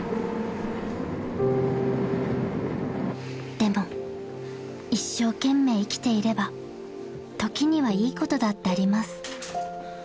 ［でも一生懸命生きていれば時にはいいことだってあります］